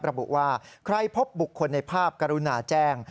ระบุว่าใครพบบุคคลในภาพกรุณาแจ้ง